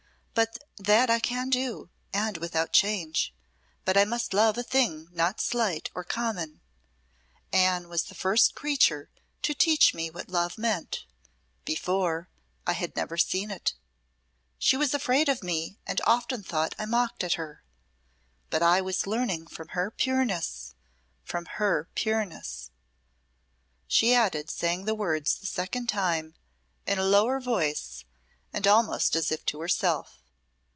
But that I can do, and without change; but I must love a thing not slight nor common. Anne was the first creature to teach me what love meant. Before, I had never seen it. She was afraid of me and often thought I mocked at her, but I was learning from her pureness from her pureness," she added, saying the words the second time in a lower voice and almost as if to herself.